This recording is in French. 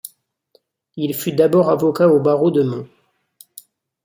Il fut d'abord avocat au barreau de Mons.